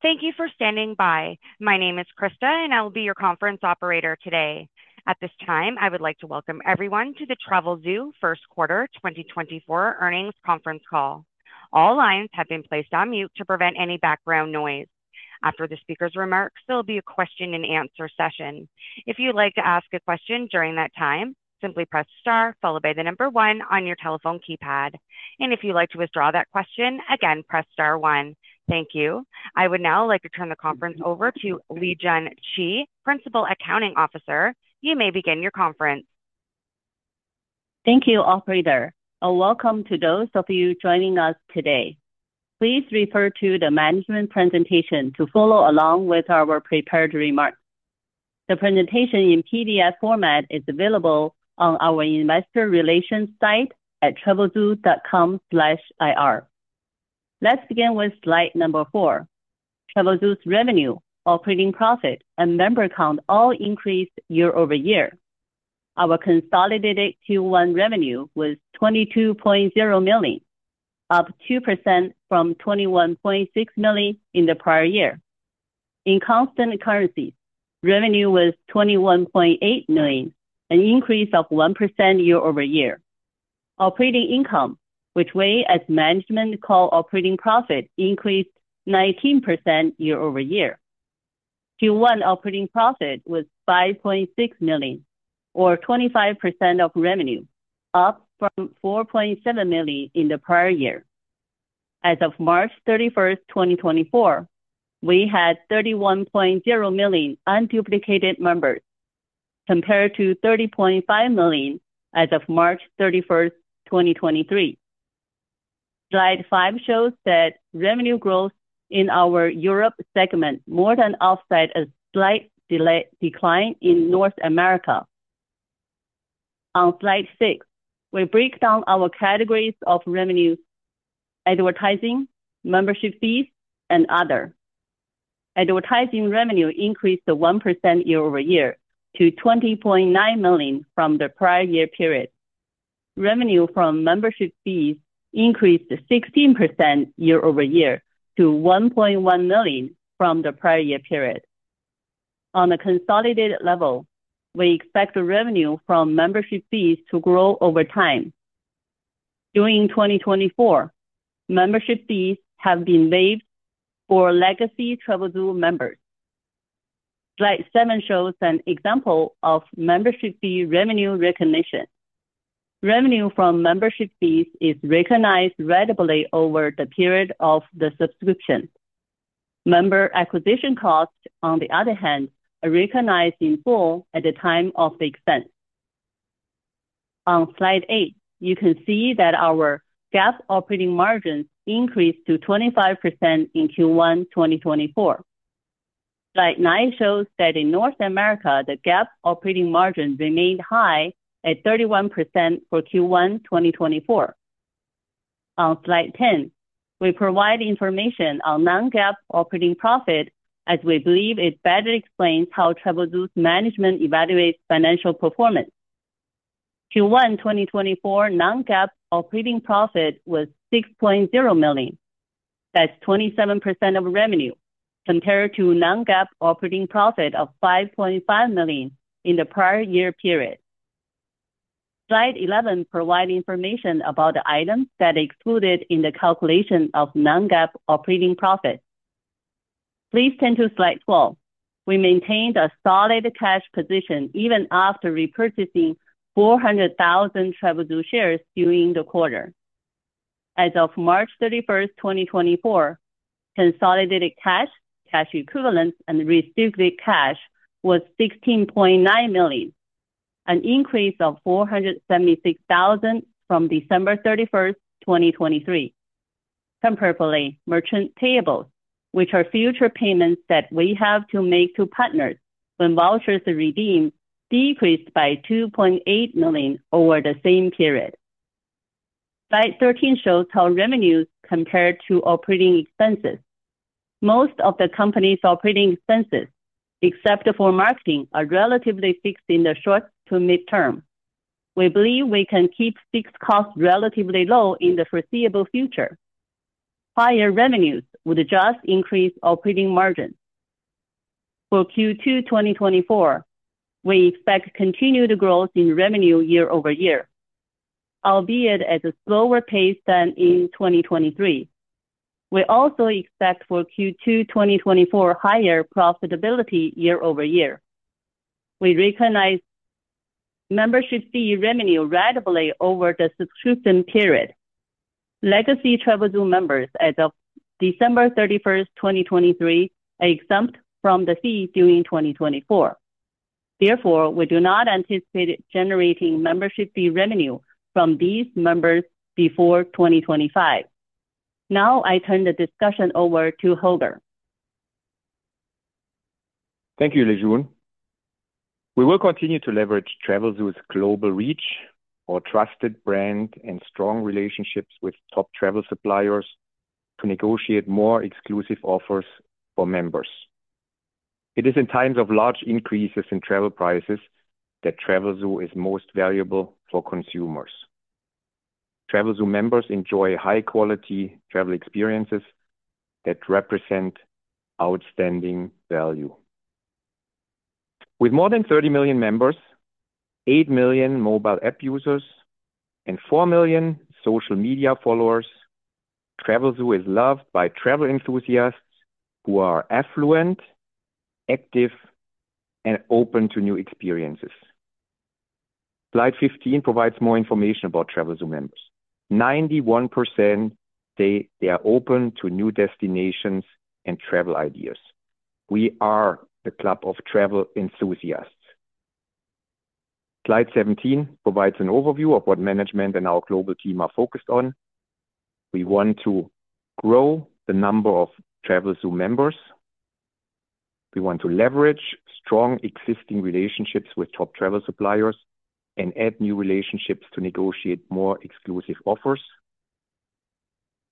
Thank you for standing by. My name is Christa, and I will be your conference operator today. At this time, I would like to welcome everyone to the Travelzoo first quarter 2024 earnings conference call. All lines have been placed on mute to prevent any background noise. After the speaker's remarks, there will be a question-and-answer session. If you'd like to ask a question during that time, simply press star followed by the number one on your telephone keypad. If you'd like to withdraw that question, again, press star one. Thank you. I would now like to turn the conference over to Lijun Qi, Principal Accounting Officer. You may begin your conference. Thank you all for your time, and welcome to those of you joining us today. Please refer to the management presentation to follow along with our prepared remarks. The presentation in PDF format is available on our investor relations site at travelzoo.com/ir. Let's begin with slide number 4. Travelzoo's revenue, operating profit, and member count all increased year-over-year. Our consolidated Q1 revenue was $22.0 million, up 2% from $21.6 million in the prior year. In constant currencies, revenue was $21.8 million, an increase of 1% year-over-year. Operating income, which management calls operating profit, increased 19% year-over-year. Q1 operating profit was $5.6 million, or 25% of revenue, up from $4.7 million in the prior year. As of March 31st, 2024, we had 31.0 million unduplicated members, compared to 30.5 million as of March 31st, 2023. Slide 5 shows that revenue growth in our Europe segment more than offset a slight decline in North America. On slide 6, we break down our categories of revenue: advertising, membership fees, and other. Advertising revenue increased 1% year-over-year to $20.9 million from the prior year period. Revenue from membership fees increased 16% year-over-year to $1.1 million from the prior year period. On a consolidated level, we expect revenue from membership fees to grow over time. During 2024, membership fees have been waived for legacy Travelzoo members. Slide 7 shows an example of membership fee revenue recognition. Revenue from membership fees is recognized ratably over the period of the subscription. Member acquisition costs, on the other hand, are recognized in full at the time of the expense. On slide 8, you can see that our GAAP operating margins increased to 25% in Q1 2024. Slide 9 shows that in North America, the GAAP operating margin remained high at 31% for Q1 2024. On slide 10, we provide information on non-GAAP operating profit as we believe it better explains how Travelzoo's management evaluates financial performance. Q1 2024 non-GAAP operating profit was $6.0 million. That's 27% of revenue, compared to non-GAAP operating profit of $5.5 million in the prior year period. Slide 11 provides information about the items that are excluded in the calculation of non-GAAP operating profit. Please turn to slide 12. We maintained a solid cash position even after repurchasing 400,000 Travelzoo shares during the quarter. As of March 31st, 2024, consolidated cash, cash equivalents, and restricted cash was $16.9 million, an increase of $476,000 from December 31st, 2023. Comparatively, merchant payables, which are future payments that we have to make to partners when vouchers are redeemed, decreased by $2.8 million over the same period. Slide 13 shows how revenues compare to operating expenses. Most of the company's operating expenses, except for marketing, are relatively fixed in the short to mid-term. We believe we can keep fixed costs relatively low in the foreseeable future. Higher revenues would just increase operating margins. For Q2 2024, we expect continued growth in revenue year-over-year, albeit at a slower pace than in 2023. We also expect for Q2 2024 higher profitability year-over-year. We recognize membership fee revenue ratably over the subscription period. Legacy Travelzoo members, as of December 31st, 2023, are exempt from the fee during 2024. Therefore, we do not anticipate generating membership fee revenue from these members before 2025. Now I turn the discussion over to Holger. Thank you, Lijun. We will continue to leverage Travelzoo's global reach, our trusted brand, and strong relationships with top travel suppliers to negotiate more exclusive offers for members. It is in times of large increases in travel prices that Travelzoo is most valuable for consumers. Travelzoo members enjoy high-quality travel experiences that represent outstanding value. With more than 30 million members, 8 million mobile app users, and 4 million social media followers, Travelzoo is loved by travel enthusiasts who are affluent, active, and open to new experiences. Slide 15 provides more information about Travelzoo members. 91% say they are open to new destinations and travel ideas. We are the club of travel enthusiasts. Slide 17 provides an overview of what management and our global team are focused on. We want to grow the number of Travelzoo members. We want to leverage strong existing relationships with top travel suppliers and add new relationships to negotiate more exclusive offers.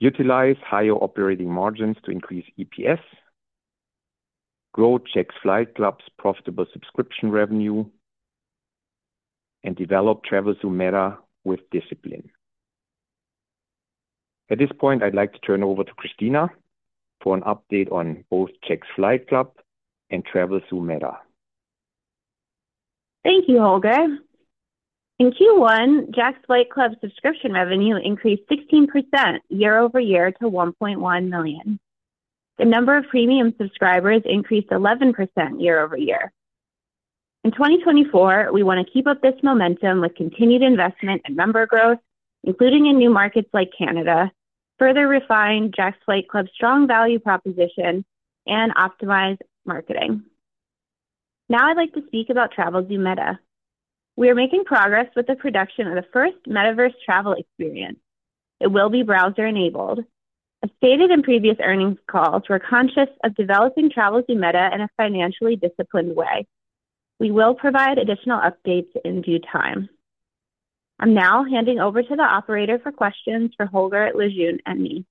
Utilize higher operating margins to increase EPS. Grow Jack's Flight Club's profitable subscription revenue. Develop Travelzoo META with discipline. At this point, I'd like to turn over to Christina for an update on both Jack's Flight Club and Travelzoo META. Thank you, Holger. In Q1, Jack's Flight Club subscription revenue increased 16% year-over-year to $1.1 million. The number of premium subscribers increased 11% year-over-year. In 2024, we want to keep up this momentum with continued investment and member growth, including in new markets like Canada, further refine Jack's Flight Club's strong value proposition, and optimize marketing. Now I'd like to speak about Travelzoo META. We are making progress with the production of the first Metaverse travel experience. It will be browser-enabled. As stated in previous earnings calls, we're conscious of developing Travelzoo META in a financially disciplined way. We will provide additional updates in due time. I'm now handing over to the operator for questions for Holger, Lijun, and me.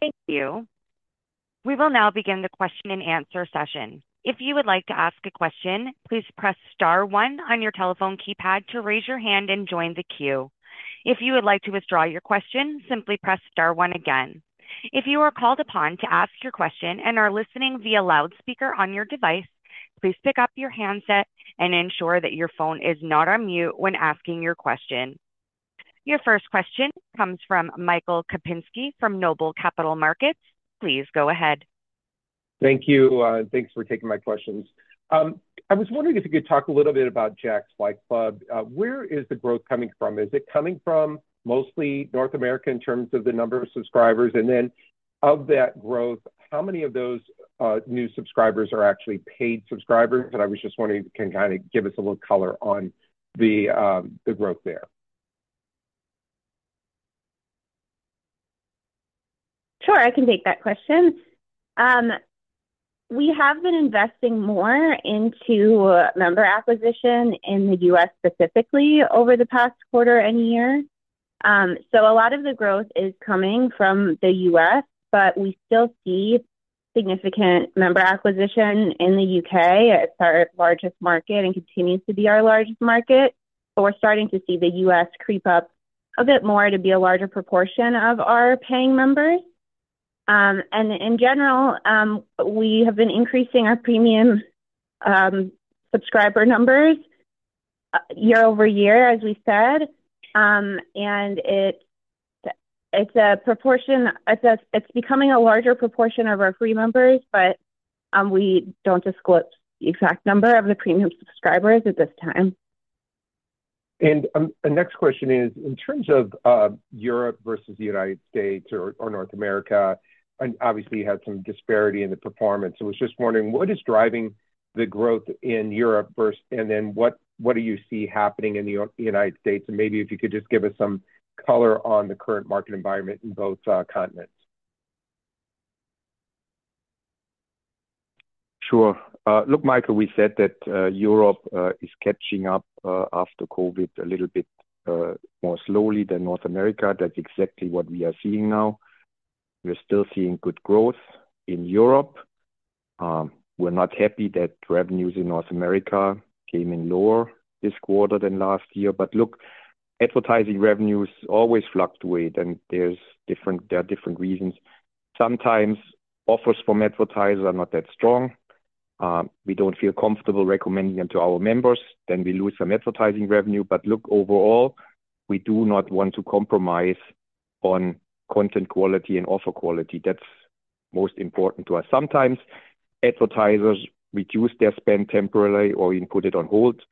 Thank you. We will now begin the question-and-answer session. If you would like to ask a question, please press star one on your telephone keypad to raise your hand and join the queue. If you would like to withdraw your question, simply press star one again. If you are called upon to ask your question and are listening via loudspeaker on your device, please pick up your handset and ensure that your phone is not on mute when asking your question. Your first question comes from Michael Kupinski from Noble Capital Markets. Please go ahead. Thank you. Thanks for taking my questions. I was wondering if you could talk a little bit about Jack's Flight Club. Where is the growth coming from? Is it coming from mostly North America in terms of the number of subscribers? And then of that growth, how many of those new subscribers are actually paid subscribers? And I was just wondering if you can kind of give us a little color on the growth there. Sure. I can take that question. We have been investing more into member acquisition in the U.S. specifically over the past quarter and year. So a lot of the growth is coming from the U.S., but we still see significant member acquisition in the U.K.. It's our largest market and continues to be our largest market. But we're starting to see the U.S. creep up a bit more to be a larger proportion of our paying members. And in general, we have been increasing our premium subscriber numbers year-over-year, as we said. And it's a proportion, it's becoming a larger proportion of our free members, but we don't disclose the exact number of the premium subscribers at this time. The next question is, in terms of Europe versus the United States or North America, obviously, you had some disparity in the performance. I was just wondering, what is driving the growth in Europe, and then what do you see happening in the United States? Maybe if you could just give us some color on the current market environment in both continents. Sure. Look, Michael, we said that Europe is catching up after COVID a little bit more slowly than North America. That's exactly what we are seeing now. We're still seeing good growth in Europe. We're not happy that revenues in North America came in lower this quarter than last year. But look, advertising revenues always fluctuate, and there are different reasons. Sometimes offers from advertisers are not that strong. We don't feel comfortable recommending them to our members. Then we lose some advertising revenue. But look, overall, we do not want to compromise on content quality and offer quality. That's most important to us. Sometimes advertisers reduce their spend temporarily or even put it on hold.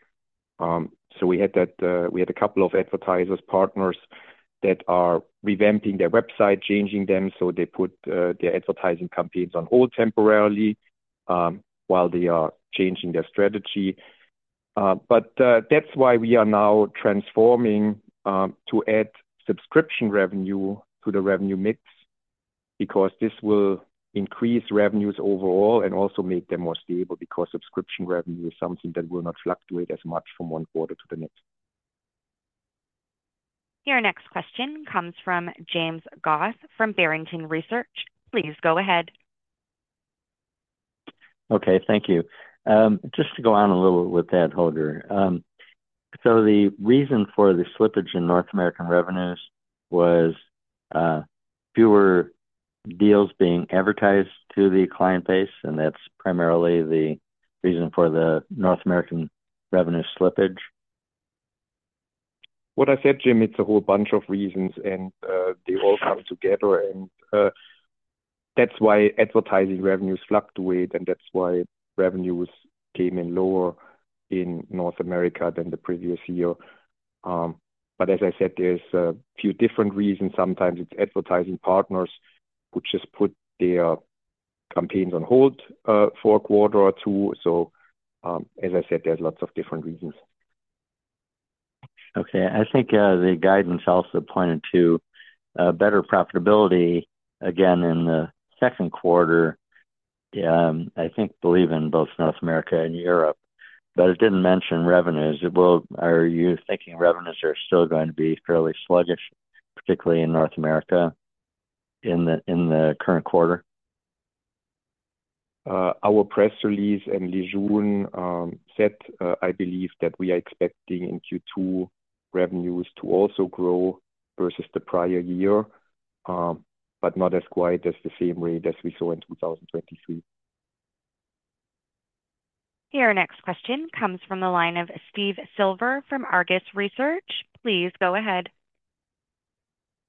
So we had a couple of advertisers partners that are revamping their website, changing them. So they put their advertising campaigns on hold temporarily while they are changing their strategy. That's why we are now transforming to add subscription revenue to the revenue mix because this will increase revenues overall and also make them more stable because subscription revenue is something that will not fluctuate as much from one quarter to the next. Your next question comes from James Goss from Barrington Research. Please go ahead. Okay. Thank you. Just to go on a little with that, Holger. So the reason for the slippage in North American revenues was fewer deals being advertised to the client base. And that's primarily the reason for the North American revenue slippage. What I said, Jim, it's a whole bunch of reasons, and they all come together. That's why advertising revenues fluctuated, and that's why revenues came in lower in North America than the previous year. But as I said, there's a few different reasons. Sometimes it's advertising partners who just put their campaigns on hold for a quarter or two. So as I said, there's lots of different reasons. Okay. I think the guidance also pointed to better profitability, again, in the second quarter, I think, believe in both North America and Europe. But it didn't mention revenues. Are you thinking revenues are still going to be fairly sluggish, particularly in North America, in the current quarter? Our press release and Lijun said, I believe, that we are expecting in Q2 revenues to also grow versus the prior year, but not as quite as the same rate as we saw in 2023. Your next question comes from the line of Steve Silver from Argus Research. Please go ahead.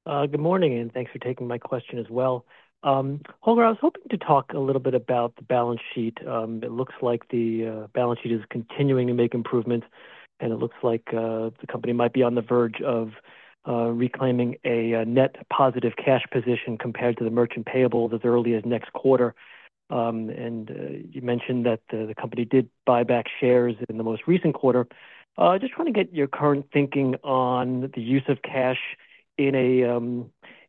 Good morning, and thanks for taking my question as well. Holger, I was hoping to talk a little bit about the balance sheet. It looks like the balance sheet is continuing to make improvements, and it looks like the company might be on the verge of reclaiming a net positive cash position compared to the merchant payables as early as next quarter. And you mentioned that the company did buy back shares in the most recent quarter. Just trying to get your current thinking on the use of cash in an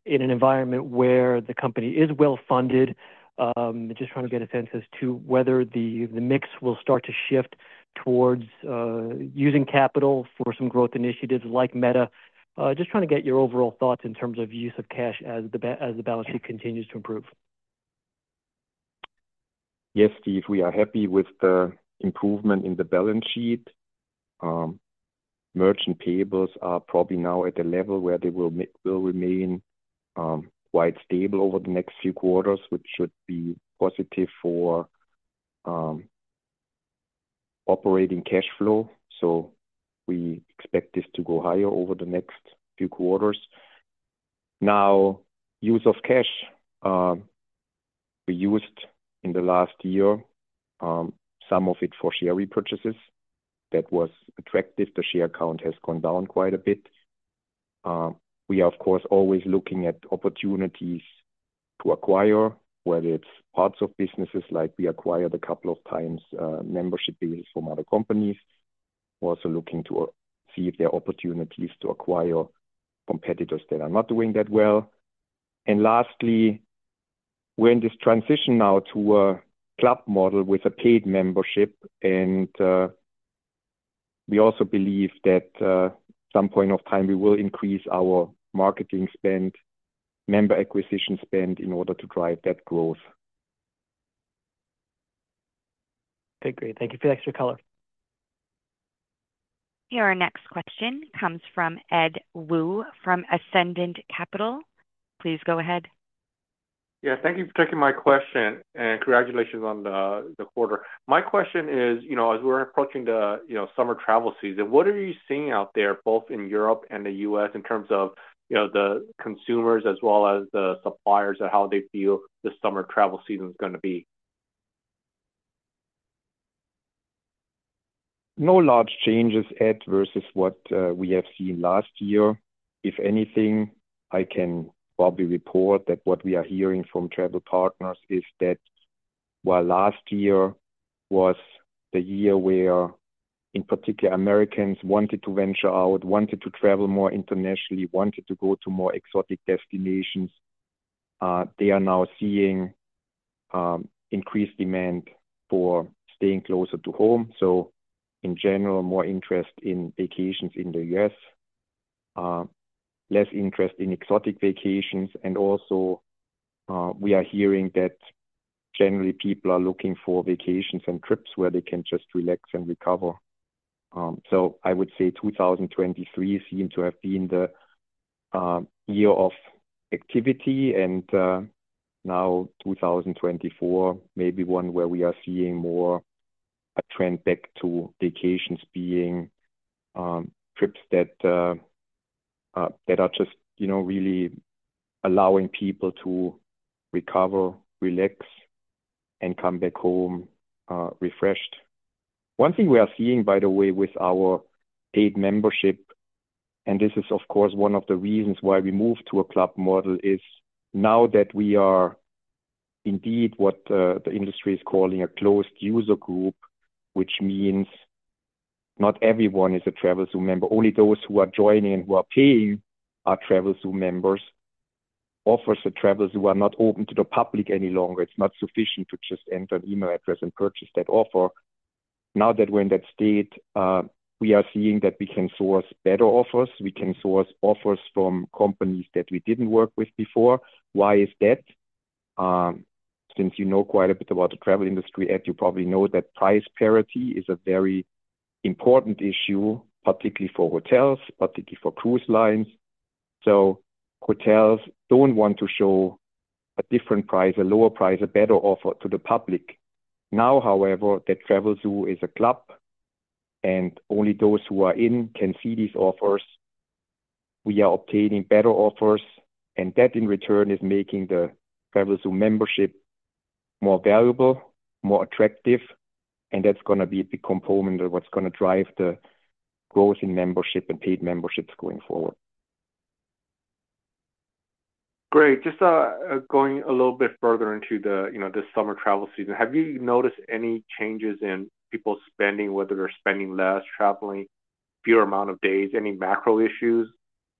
environment where the company is well-funded. Just trying to get a sense as to whether the mix will start to shift towards using capital for some growth initiatives like Meta. Just trying to get your overall thoughts in terms of use of cash as the balance sheet continues to improve. Yes, Steve. We are happy with the improvement in the balance sheet. Merchant payables are probably now at a level where they will remain quite stable over the next few quarters, which should be positive for operating cash flow. So we expect this to go higher over the next few quarters. Now, use of cash, we used in the last year, some of it for share repurchases. That was attractive. The share count has gone down quite a bit. We are, of course, always looking at opportunities to acquire, whether it's parts of businesses. We acquired a couple of times membership deals from other companies. Also looking to see if there are opportunities to acquire competitors that are not doing that well. And lastly, we're in this transition now to a club model with a paid membership. We also believe that at some point of time, we will increase our marketing spend, member acquisition spend, in order to drive that growth. Okay. Great. Thank you for the extra color. Your next question comes from Ed Woo from Ascendiant Capital. Please go ahead. Yeah. Thank you for taking my question, and congratulations on the quarter. My question is, as we're approaching the summer travel season, what are you seeing out there, both in Europe and the U.S., in terms of the consumers as well as the suppliers and how they feel the summer travel season is going to be? No large changes, Ed, versus what we have seen last year. If anything, I can probably report that what we are hearing from travel partners is that while last year was the year where, in particular, Americans wanted to venture out, wanted to travel more internationally, wanted to go to more exotic destinations, they are now seeing increased demand for staying closer to home. So in general, more interest in vacations in the U.S., less interest in exotic vacations. And also, we are hearing that generally, people are looking for vacations and trips where they can just relax and recover. So I would say 2023 seemed to have been the year of activity. And now 2024, maybe one where we are seeing more a trend back to vacations being trips that are just really allowing people to recover, relax, and come back home refreshed. One thing we are seeing, by the way, with our paid membership, and this is, of course, one of the reasons why we moved to a club model, is now that we are indeed what the industry is calling a closed user group, which means not everyone is a Travelzoo member. Only those who are joining and who are paying are Travelzoo members. Offers at Travelzoo are not open to the public any longer. It's not sufficient to just enter an email address and purchase that offer. Now that we're in that state, we are seeing that we can source better offers. We can source offers from companies that we didn't work with before. Why is that? Since you know quite a bit about the travel industry, Ed, you probably know that price parity is a very important issue, particularly for hotels, particularly for cruise lines. Hotels don't want to show a different price, a lower price, a better offer to the public. Now, however, that Travelzoo is a club, and only those who are in can see these offers. We are obtaining better offers. That, in return, is making the Travelzoo membership more valuable, more attractive. That's going to be a big component of what's going to drive the growth in membership and paid memberships going forward. Great. Just going a little bit further into this summer travel season, have you noticed any changes in people spending, whether they're spending less, traveling, fewer amount of days, any macro issues?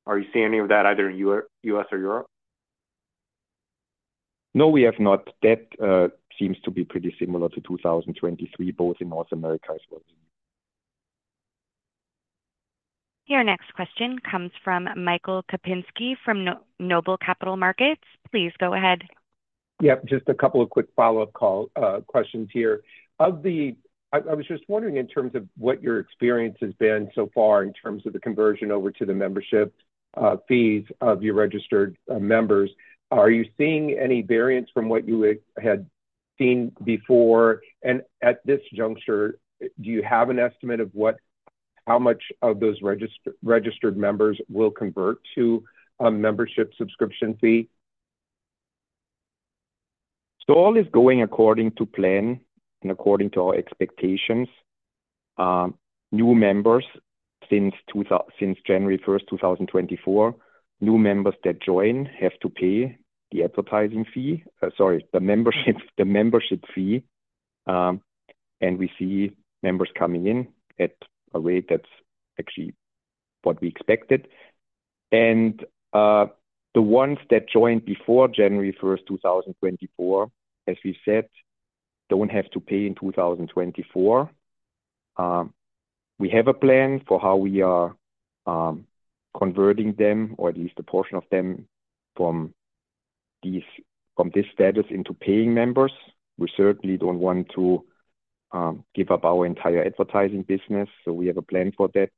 Are you seeing any of that either in U.S. or Europe? No, we have not. That seems to be pretty similar to 2023, both in North America as well as in Europe. Your next question comes from Michael Kupinski from Noble Capital Markets. Please go ahead. Yep. Just a couple of quick follow-up questions here. I was just wondering, in terms of what your experience has been so far in terms of the conversion over to the membership fees of your registered members, are you seeing any variance from what you had seen before? And at this juncture, do you have an estimate of how much of those registered members will convert to a membership subscription fee? All is going according to plan and according to our expectations. New members since January 1st, 2024, new members that join have to pay the advertising fee, sorry, the membership fee. We see members coming in at a rate that's actually what we expected. The ones that joined before January 1st, 2024, as we said, don't have to pay in 2024. We have a plan for how we are converting them, or at least a portion of them, from this status into paying members. We certainly don't want to give up our entire advertising business. We have a plan for that.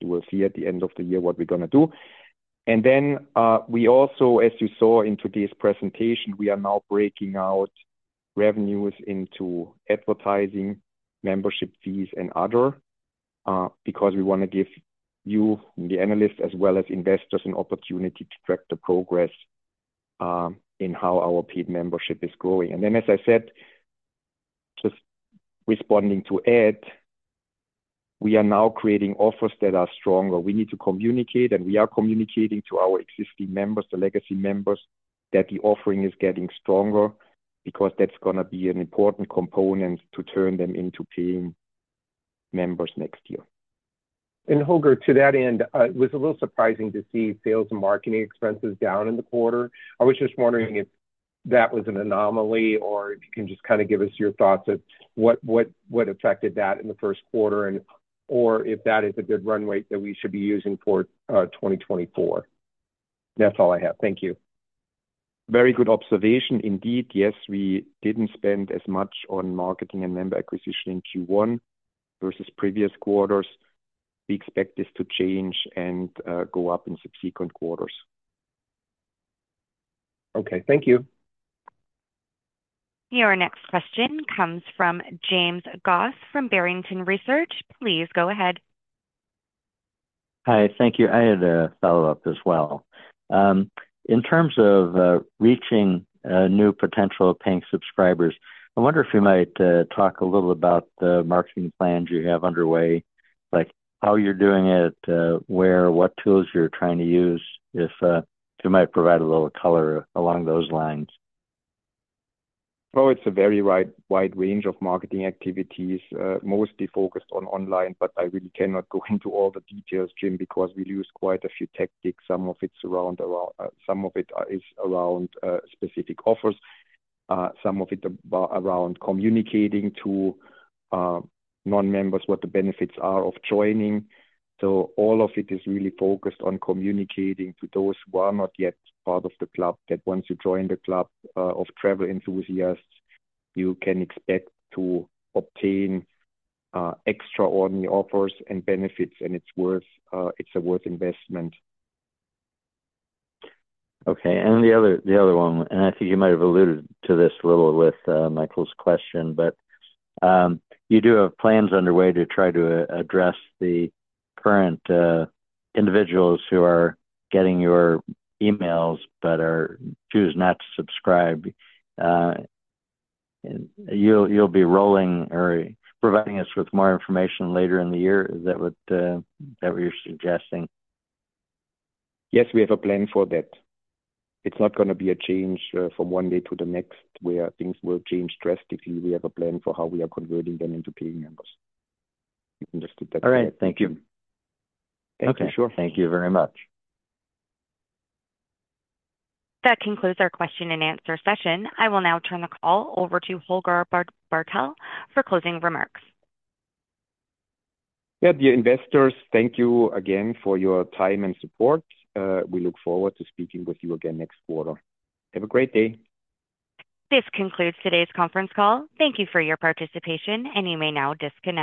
You will see at the end of the year what we're going to do. And then we also, as you saw in today's presentation, we are now breaking out revenues into advertising, membership fees, and other because we want to give you and the analysts as well as investors an opportunity to track the progress in how our paid membership is growing. And then, as I said, just responding to Ed, we are now creating offers that are stronger. We need to communicate, and we are communicating to our existing members, the legacy members, that the offering is getting stronger because that's going to be an important component to turn them into paying members next year. Holger, to that end, it was a little surprising to see sales and marketing expenses down in the quarter. I was just wondering if that was an anomaly or if you can just kind of give us your thoughts of what affected that in the first quarter or if that is a good run rate that we should be using for 2024. That's all I have. Thank you. Very good observation. Indeed, yes, we didn't spend as much on marketing and member acquisition in Q1 versus previous quarters. We expect this to change and go up in subsequent quarters. Okay. Thank you. Your next question comes from James Goss from Barrington Research. Please go ahead. Hi. Thank you. I had a follow-up as well. In terms of reaching new potential paying subscribers, I wonder if you might talk a little about the marketing plans you have underway, how you're doing it, where, what tools you're trying to use, if you might provide a little color along those lines? Oh, it's a very wide range of marketing activities, mostly focused on online. But I really cannot go into all the details, Jim, because we'd lose quite a few tactics. Some of it is around specific offers. Some of it is around communicating to non-members what the benefits are of joining. So all of it is really focused on communicating to those who are not yet part of the club, that once you join the club of travel enthusiasts, you can expect to obtain extraordinary offers and benefits, and it's a worthwhile investment. Okay. And the other one, and I think you might have alluded to this a little with Michael's question, but you do have plans underway to try to address the current individuals who are getting your emails but choose not to subscribe. You'll be rolling or providing us with more information later in the year. Is that what you're suggesting? Yes, we have a plan for that. It's not going to be a change from one day to the next where things will change drastically. We have a plan for how we are converting them into paying members. You can just put that there. All right. Thank you. Okay. Thank you, sure. Thank you very much. That concludes our question-and-answer session. I will now turn the call over to Holger Bartel for closing remarks. Dear investors, thank you again for your time and support. We look forward to speaking with you again next quarter. Have a great day. This concludes today's conference call. Thank you for your participation, and you may now disconnect.